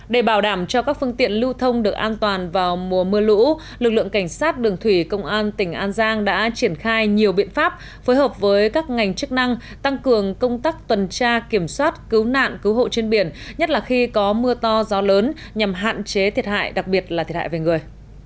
để bảo đảm cho các phương tiện lưu thông được an toàn vào mùa mưa lũ lực lượng cảnh sát đường thủy công an tỉnh an giang đã triển khai nhiều biện pháp phối hợp với các ngành chức năng tăng cường công tác tuần tra kiểm soát cứu nạn cứu hộ trên biển nhất là khi có mưa to gió lớn nhằm hạn chế thiệt hại đặc biệt là thiệt hại về người